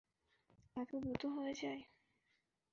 এত দ্রুত হয়ে যায়।